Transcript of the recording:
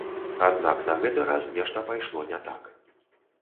Аднак на гэты раз нешта пайшло не так.